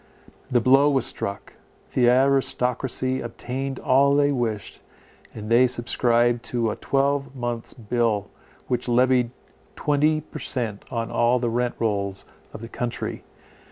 The blow was struck; the aristocracy obtained all they wished, and they subscribed to a twelvemonths' bill, which levied twenty per cent on all the rent rolls of the country.